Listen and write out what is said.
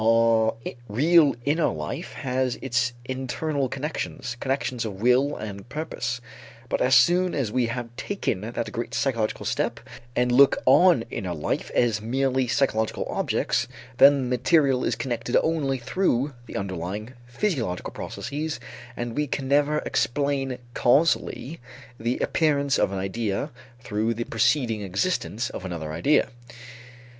Our real inner life has its internal connections, connections of will and purpose, but as soon as we have taken that great psychological step and look on inner life as merely psychological objects, then the material is connected only through the underlying physiological processes and we can never explain causally the appearance of an idea through the preceding existence of another idea.